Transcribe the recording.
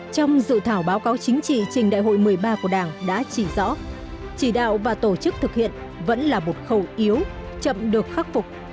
trong dự thảo báo cáo chính trị trình đại hội một mươi ba của đảng đã chỉ rõ chỉ đạo và tổ chức thực hiện vẫn là một khâu yếu chậm được khắc phục